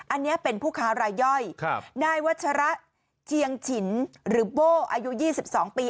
อันนี้เป็นผู้ค้ารายย่อยนายวัชระเจียงฉินหรือโบ้อายุ๒๒ปี